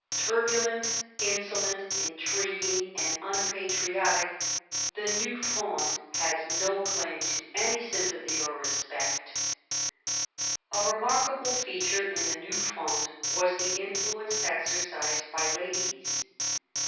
78 MAZARIN chap. Turbulent, insolent, intriguing, and unpatriotic, the New Fronde has no claim to any sympathy or respect. A remarkable feature in the New Fronde was the influence exercised by ladies.